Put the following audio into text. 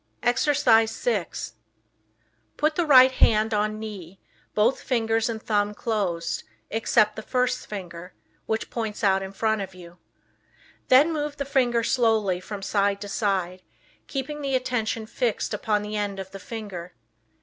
Exercise 6 Put the right hand on knee, both fingers and thumb closed, except the first finger, which points out in front of you. Then move the finger slowly from side to side, keeping the attention fixed upon the end of the finger.